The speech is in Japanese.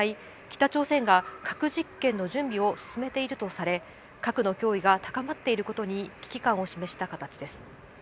北朝鮮が核実験の準備を進めているとされ核の脅威が高まっていることに危機感を示した形です。